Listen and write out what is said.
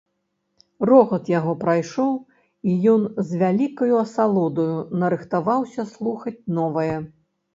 Рогат яго прайшоў, і ён з вялікаю асалодаю нарыхтаваўся слухаць новае.